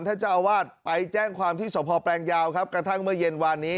ท่านเจ้าอาวาสไปแจ้งความที่สพแปลงยาวครับกระทั่งเมื่อเย็นวานนี้